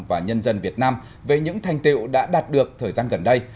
và nhân dân việt nam về những thành tiệu đã đạt được thời gian gần đây